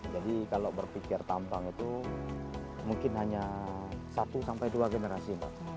jadi kalau berpikir tampang itu mungkin hanya satu sampai dua generasi mbak